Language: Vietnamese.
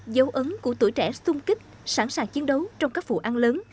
dấu ấn của tuổi trẻ sung kích sẵn sàng chiến đấu trong các vụ ăn lớn